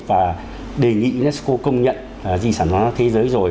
và đề nghị unesco công nhận di sản văn hóa thế giới rồi